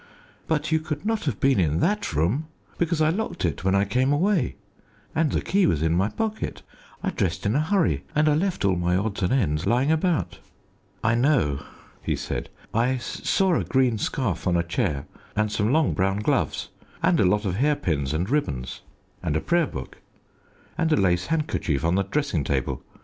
But you could not have been in that room, because I locked it when I came away, and the key was in my pocket. I dressed in a hurry and I left all my odds and ends lying about." "I know," he said; "I saw a green scarf on a chair, and some long brown gloves, and a lot of hairpins and ribbons, and a prayer book, and a lace handkerchief on the dressing table.